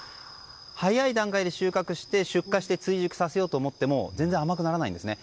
早い段階で収穫して出荷して追熟させようと思っても全然、甘くならないんです。